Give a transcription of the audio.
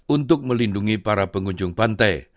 untuk melindungi para pengunjung pantai